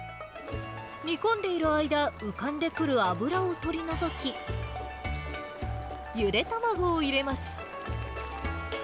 煮込んでいる間、浮かんでくる脂を取り除き、ゆで卵を入れます。